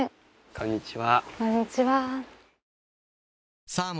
こんにちは。